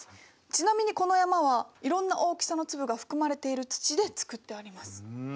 ちなみにこの山はいろんな大きさの粒が含まれている土で作ってあります。